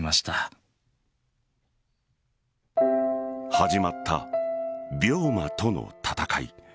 始まった病魔との戦い。